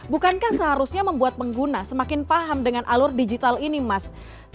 bukankah seharusnya membuat pengguna semakin paham dengan alur digital ini mas